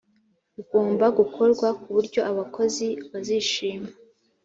bigomba gukorwa ku buryo abakozi bazishima.